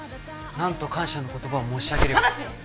何と感謝の言葉を申し上げればただし！